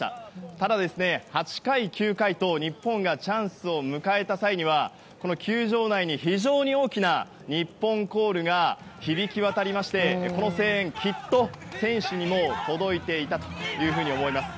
ただ、８回９回と日本がチャンスを迎えた際には球場内に非常に大きな日本コールが響き渡りまして、この声援きっと選手にも届いていたと思います。